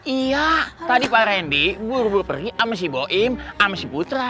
iyaa tadi pak randy buru buru pergi sama si boim sama si putra